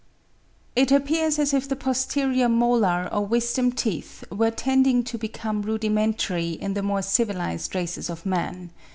It appears as if the posterior molar or wisdom teeth were tending to become rudimentary in the more civilised races of man.